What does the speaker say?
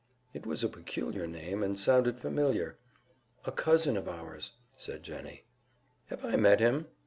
It was a peculiar name, and sounded familiar. "A cousin of ours," said Jennie. "Have I met him?"